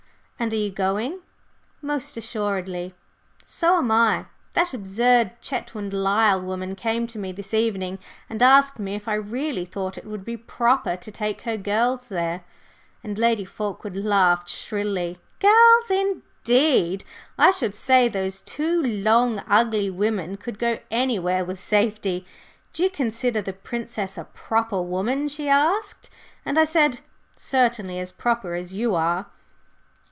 "And are you going?" "Most assuredly." "So am I. That absurd Chetwynd Lyle woman came to me this evening and asked me if I really thought it would be proper to take her 'girls' there," and Lady Fulkeward laughed shrilly. "Girls indeed! I should say those two long, ugly women could go anywhere with safety. 'Do you consider the Princess a proper woman?' she asked, and I said, 'Certainly, as proper as you are.